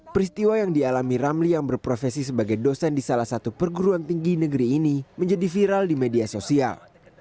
peristiwa yang dialami ramli yang berprofesi sebagai dosen di salah satu perguruan tinggi negeri ini menjadi viral di media sosial